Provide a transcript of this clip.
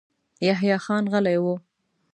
يحيی خان غلی و.